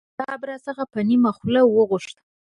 احمد کتاب راڅخه په نيمه خوله وغوښت.